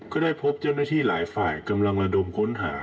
ก็ได้พบเจ้าหน้าที่หลายฝ่ายกำลังระดมค้นหา